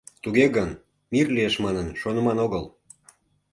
— Туге гын, мир лиеш манын шоныман огыл.